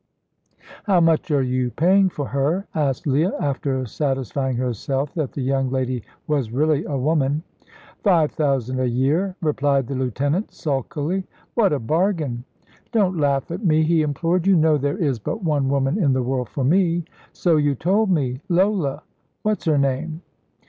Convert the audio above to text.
"How much are you paying for her?" asked Leah, after satisfying herself that the young lady was really a woman. "Five thousand a year," replied the lieutenant, sulkily. "What a bargain!" "Don't laugh at me," he implored; "you know there is but one woman in the world for me." "So you told me. Lola what's her name?"